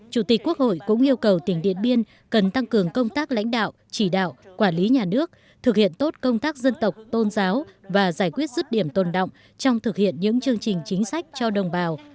chủ tịch quốc hội cũng yêu cầu tỉnh điện biên cần tăng cường công tác lãnh đạo chỉ đạo quản lý nhà nước thực hiện tốt công tác dân tộc tôn giáo và giải quyết rứt điểm tồn động trong thực hiện những chương trình chính sách cho đồng bào